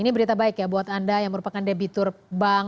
ini berita baik ya buat anda yang merupakan debitur bank